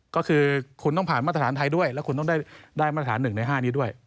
ก็คือคุณต้องผ่านมาตรฐานไทยด้วยแล้วคุณต้องได้มาตรฐาน๑ใน๕นี้ด้วย